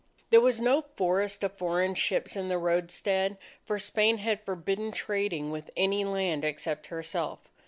There was no forest of foreign ships in the roadstead; for Spain had forbidden trading with any land except herself.